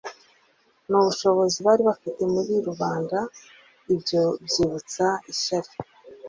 n'ubushobozi bari bafite muri rubanda; ibyo bibyutsa ishyari.